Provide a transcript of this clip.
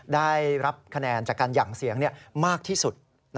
ได้รับคะแนนจากการหยั่งเสียงมากที่สุด